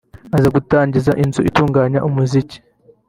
aza gutangiza inzu itunganya umuziki